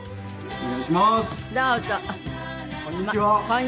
お願いします。